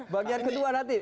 bagian kedua nanti